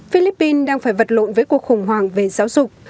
philippines đang phải vật lộn với cuộc khủng hoảng về giáo dục